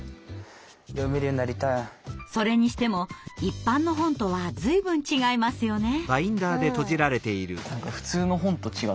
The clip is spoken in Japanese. それにしても一般の本とは随分違いますよね。